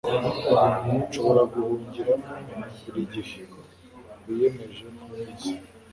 nshobora guhungiramo buri gihe wiyemeje kunkiza